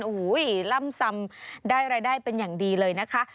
โอ้โหล่ำซำได้รายได้เป็นอย่างดีเลยนะคะ